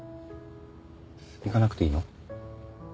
行かなくていいの？